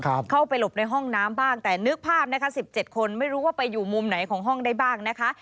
เข้าไปหลบในห้องน้ำบ้างแต่นึกภาพนะคะสิบเจ็ดคนไม่รู้ว่าไปอยู่มุมไหนของห้องได้บ้างนะคะ